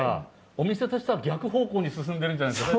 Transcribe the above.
お店としては逆方向に進んでるんじゃないですか？